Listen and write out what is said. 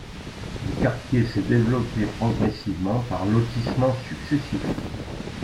Le quartier s'est développé progressivement par lotissements successifs.